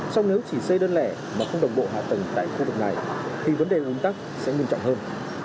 sau nếu chỉ xây đơn lẻ mà không đồng bộ hạ tầng tại khu vực này thì vấn đề ủn tắc sẽ nguyên trọng hơn